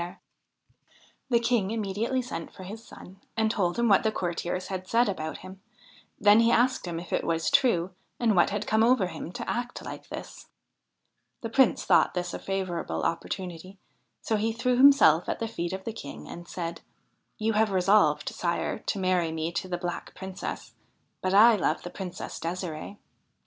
G 49 THE HIND OF THE WOOD The King immediately sent for his son and told him what the courtiers had said about him ; then he asked him if it was true, and what had come over him to act like this. The Prince thought this a favourable opportunity, so he threw himself at the feet of the King and said :' You have resolved, sire, to marry me to the Black Princess, but I love the Princess Ddsiree.'